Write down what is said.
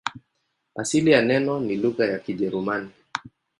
Asili ya neno ni lugha ya Kijerumani.